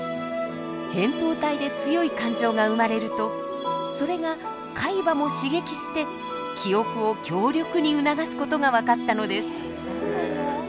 へんとう体で強い感情が生まれるとそれが海馬も刺激して記憶を強力にうながす事が分かったのです。